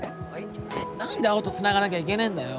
何で青とつながなきゃいけねえんだよ。